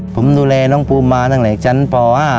ผมดูแลน้องภูมิมาตั้งแต่ชั้นป๕